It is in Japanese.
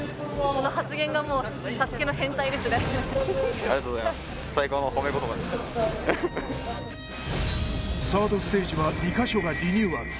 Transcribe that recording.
いやちょっとサードステージは２カ所がリニューアル